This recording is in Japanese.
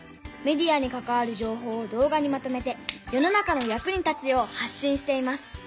メディアにかかわる情報を動画にまとめて世の中の役に立つよう発しんしています